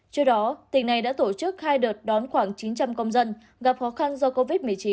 trước đó tỉnh này đã tổ chức hai đợt đón khoảng chín trăm linh công dân gặp khó khăn do covid một mươi chín